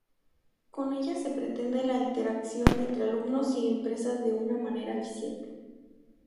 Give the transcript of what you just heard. Con ella se pretende la interacción entre alumnos y empresas de una manera eficiente.